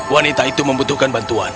wanita itu membutuhkan bantuan